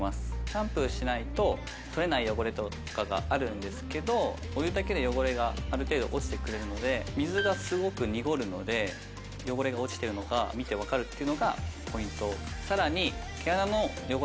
シャンプーしないと取れない汚れとかがあるんですけどお湯だけで汚れがある程度落ちてくれるので水がすごく濁るので汚れが落ちてるのが見て分かるっていうのがポイント